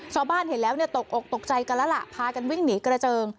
ชาวบ้านเห็นแล้วตกอกตกใจกันแล้วล่ะพากันวิ่งหนีกระเจิง